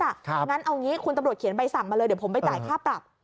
งั้นเอางี้คุณตำรวจเขียนใบสั่งมาเลยเดี๋ยวผมไปจ่ายค่าปรับ